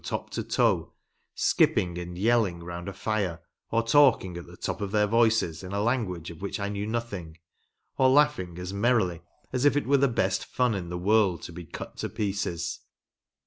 top to toe, skipping and yelling round a fire, or talking at the top of their voices in a language of which I knew nothing, or laughing as merrily as if it were the best fun in the world to be cut to pieces.